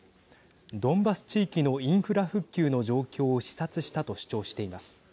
ドンバス地域のインフラ復旧の状況を視察したと主張しています。